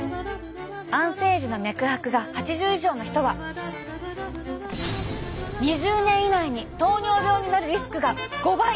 安静時の脈拍が８０以上の人は２０年以内に糖尿病になるリスクが５倍。